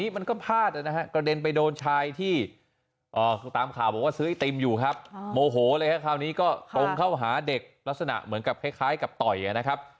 มันก็พาดนะฮะกระเด็นไปโดนชายที่ตามข่าวบอกว่าซื้อไอติมอยู่ครับโมโหเลยครับคราวนี้ก็ตรงเข้าหาเด็กลักษณะเหมือนกับคล้ายกับต่อยนะครับ